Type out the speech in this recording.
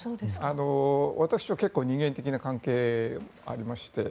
私は結構人間的な関係、ありまして。